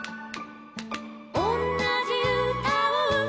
「おんなじうたをうたえば」